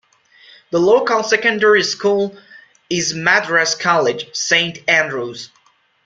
The local secondary school is Madras College, Saint Andrews.